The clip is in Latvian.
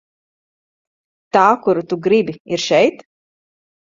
Tā kuru tu gribi, ir šeit?